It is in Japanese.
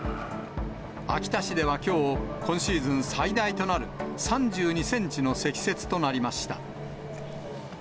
秋田市ではきょう、今シーズン最大となる３２センチの積雪となりました。